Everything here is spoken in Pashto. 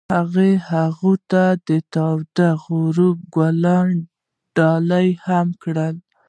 هغه هغې ته د تاوده غروب ګلان ډالۍ هم کړل.